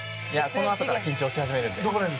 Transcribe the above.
このあとから緊張し始めるので。